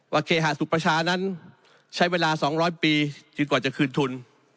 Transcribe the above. เคหสุขประชานั้นใช้เวลา๒๐๐ปีจนกว่าจะคืนทุน